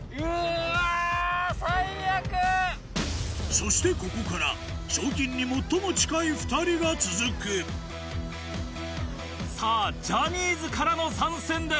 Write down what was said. そしてここから賞金に最も近い２人が続くさぁジャニーズからの参戦です。